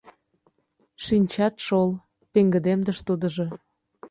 — Шинчат шол, — пеҥгыдемдыш тудыжо.